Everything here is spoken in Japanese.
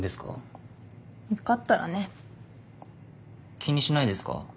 気にしないですか？